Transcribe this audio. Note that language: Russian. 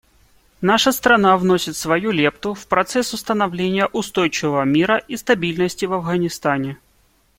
Наша страна вносит свою лепту в процесс установления устойчивого мира и стабильности в Афганистане.